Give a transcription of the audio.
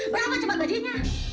berapa cepat gajinya